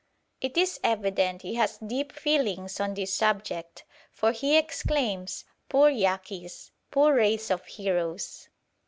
It is evident he has deep feelings on this subject, for he exclaims: 'Poor Yaquis! poor race of heroes!'